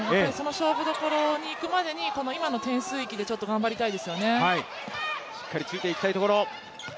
勝負どころにいくまでに今の点数域でちょっと頑張りたいですよね。